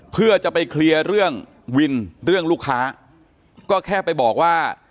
เพื่อจะไปเคลียร์เรื่องวินเรื่องลูกค้าก็แค่ไปบอกว่า